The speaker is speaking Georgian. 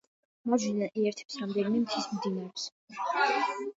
მარჯვნიდან იერთებს რამდენიმე მთის მდინარეს.